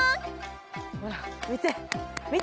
ほら見て。